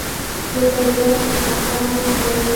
دلته زر اختره ژوند دی